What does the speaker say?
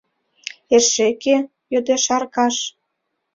— Эше кӧ? — йодеш Аркаш.